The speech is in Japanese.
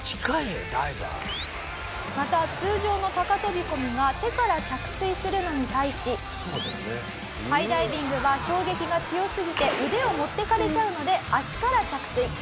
また通常の高飛込が手から着水するのに対しハイダイビングは衝撃が強すぎて腕を持っていかれちゃうので足から着水。